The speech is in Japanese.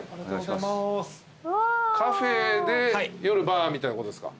カフェで夜バーみたいなことですか？